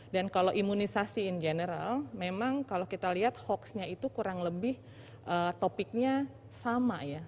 dan kalau imunisasi in general memang kalau kita lihat hoaksnya itu kurang lebih topiknya sama ya